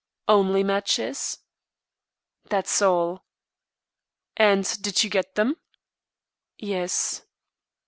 "Only matches?" "That's all." "And did you get them?" "Yes."